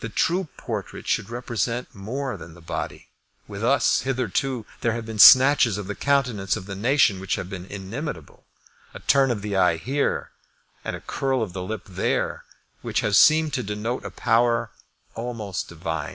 The true portrait should represent more than the body. With us, hitherto, there have been snatches of the countenance of the nation which have been inimitable, a turn of the eye here and a curl of the lip there, which have seemed to denote a power almost divine.